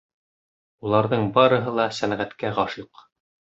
Уларҙың барыһы ла сәнғәткә ғашиҡ.